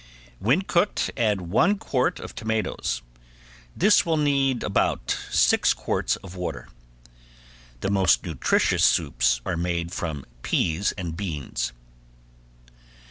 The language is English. When cooked add one quart of tomatoes. This will need about six quarts of water. The most nutritious soups are made from peas and beans.